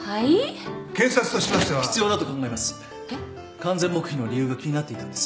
完全黙秘の理由が気になっていたんです。